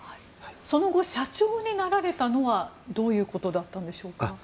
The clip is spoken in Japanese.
その後社長になられたのはどういうことだったんでしょう。